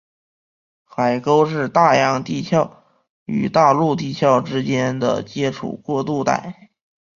海沟是大洋地壳与大陆地壳之间的接触过渡带。